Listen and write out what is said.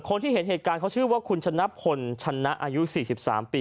คนที่เห็นเหตุการณ์เขาชื่อว่าคุณชนะพลชนะอายุ๔๓ปี